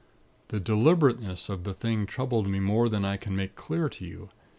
"The deliberateness of the thing troubled me more than I can make clear to you.